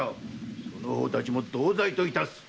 〔その方たちも同罪といたす〕